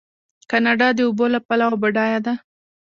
کاناډا د اوبو له پلوه بډایه ده.